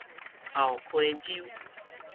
後溪洲